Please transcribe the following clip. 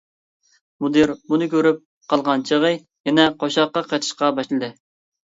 مۇدىر بۇنى كۆرۈپ قالغان چېغى يەنە قوشاققا قېتىشقا باشلىدى.